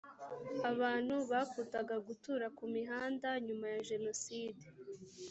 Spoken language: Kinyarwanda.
abantu bakundaga gutura ku mihanda nyuma ya jenoside